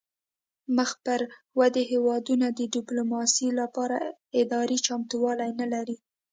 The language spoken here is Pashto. مخ پر ودې هیوادونه د ډیپلوماسي لپاره اداري چمتووالی نلري